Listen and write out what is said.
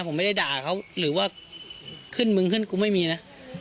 ผมไม่ได้ด่าเขาหรือว่าขึ้นมึงขึ้นกูไม่มีนะ